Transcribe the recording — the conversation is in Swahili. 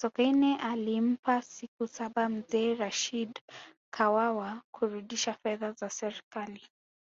sokoine alimpa siku saba mzee rashidi kawawa kurudisha fedha za serikali